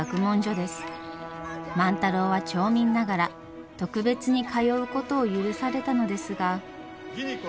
万太郎は町民ながら特別に通うことを許されたのですが。